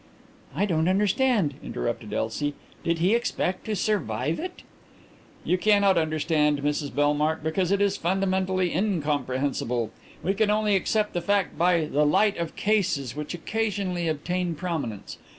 "I don't understand," interrupted Elsie. "Did he expect to survive it?" "You cannot understand, Mrs Bellmark, because it is fundamentally incomprehensible. We can only accept the fact by the light of cases which occasionally obtain prominence.